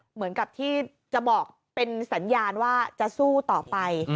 เหมือนกับที่จะบอกเป็นสัญญาณว่าจะสู้ต่อไป